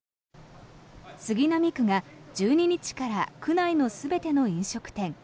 杉並区が１２日から区内の全ての飲食店